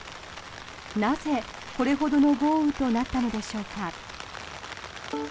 なぜ、これほどの豪雨となったのでしょうか。